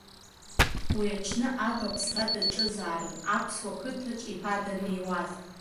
Уи аҽны аб аԥсра даҿызаарын, аԥсыуа қыҭакаҿ иԥа даниуаз.